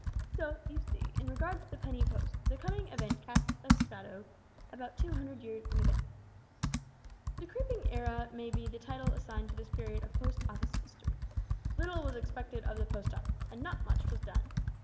So, you see, in regard to the Penny Post, the coming event cast its shadow about two hundred years in advance. "The Creeping Era may be the title assigned to this period of Post Office history. Little was expected of the Post Office, and not much was done.